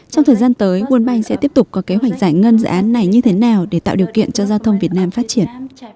trong thời gian tới world bank sẽ tiếp tục có kế hoạch giải ngân dự án này như thế nào để tạo điều kiện cho giao thông việt nam phát triển